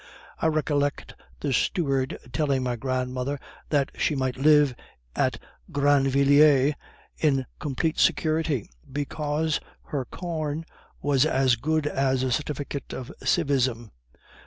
I recollect the steward telling my grandmother that she might live at Grandvilliers in complete security, because her corn was as good as a certificate of civism.